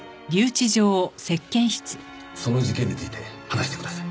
その事件について話してください。